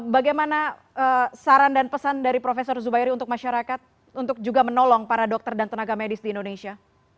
bagaimana saran dan pesan dari prof zubairi untuk masyarakat untuk juga menolong para dokter dan tenaga medis di indonesia